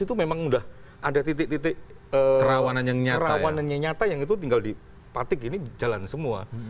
itu memang udah ada titik titik kerawanannya nyata yang itu tinggal dipatik ini jalan semua